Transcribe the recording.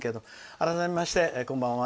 改めまして、こんばんは。